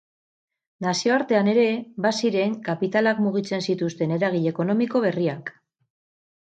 Nazioartean ere, baziren kapitalak mugitzen zituzten eragile ekonomiko berriak.